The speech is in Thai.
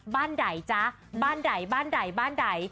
บ้านไหนจ๊ะบ้านไหนบ้านไหนบ้านไหน